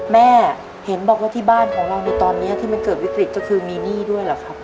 แม่เห็นบอกว่าที่บ้านของเราในตอนนี้ที่มันเกิดวิกฤตก็คือมีหนี้ด้วยเหรอครับ